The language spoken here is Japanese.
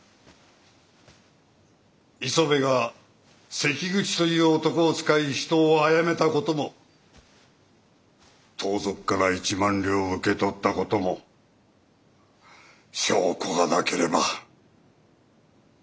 磯部が関口という男を使い人をあやめた事も盗賊から１万両受け取った事も証拠がなければ。